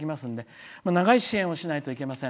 長い支援をしなきゃいけません。